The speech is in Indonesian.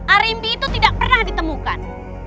arimbi itu tidak pernah ditemukan